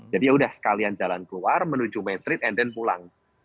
jadi ya udah sekalian jalan keluar menuju madrid and then pulang